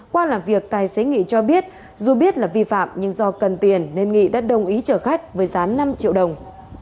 qua làm việc tài xế nghị cho biết dù biết là vi phạm nhưng do cần tiền nên nghị đã đồng ý chở khách với giá năm triệu đồng